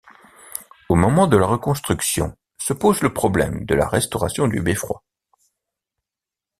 Au moment de la reconstruction se pose le problème de la restauration du beffroi.